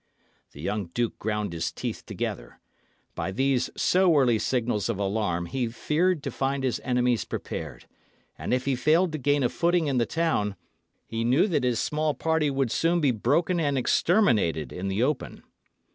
The young duke ground his teeth together. By these so early signals of alarm he feared to find his enemies prepared; and if he failed to gain a footing in the town, he knew that his small party would soon be broken and exterminated in the open.